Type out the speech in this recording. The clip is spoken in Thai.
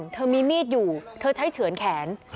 เธอมีมีดอยู่เธอใช้เฉือนแขน